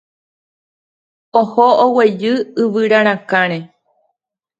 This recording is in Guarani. Oho oguejy yvyra rakãre